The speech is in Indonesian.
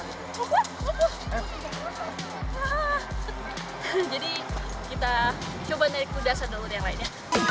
jadi kita coba naik kuda sandalwood yang lainnya